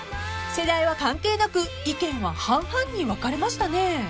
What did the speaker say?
［世代は関係なく意見は半々に分かれましたね］